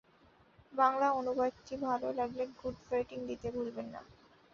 বাংলা অনুবাদটি ভালো লাগলে গুড রেটিং দিতে ভুলবেন না।